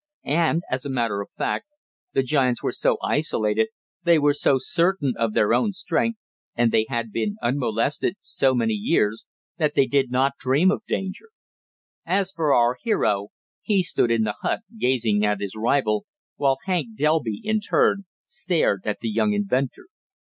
And, as a matter of fact, the giants were so isolated, they were so certain of their own strength, and they had been unmolested so many years, that they did not dream of danger. As for our hero, he stood in the hut gazing at his rival, while Hank Delby, in turn, stared at the young inventor.